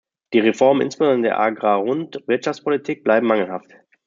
Die Reformen, insbesondere in der Agrarund Wirtschaftspolitik, bleiben mangelhaft.